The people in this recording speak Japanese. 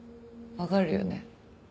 わかるよね？